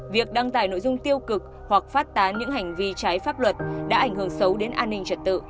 việc đăng tải nội dung tiêu cực hoặc phát tán những hành vi trái pháp luật đã ảnh hưởng xấu đến an ninh trật tự